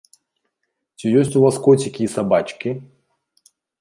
Ці ёсць у вас коцікі і сабачкі?